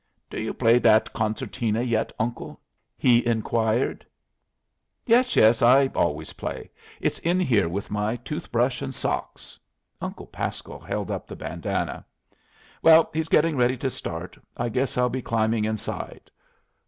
"Do you play that concertina yet, Uncle?" he inquired. "Yes, yes. I always play. It's in here with my tooth brush and socks." Uncle Pasco held up the bandanna. "Well, he's getting ready to start. I guess I'll be climbing inside.